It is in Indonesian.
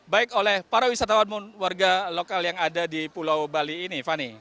baik oleh para wisatawan warga lokal yang ada di pulau bali ini fani